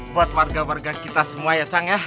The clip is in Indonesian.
buat warga warga kita semua ya cang ya